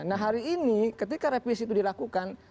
nah hari ini ketika revisi itu dilakukan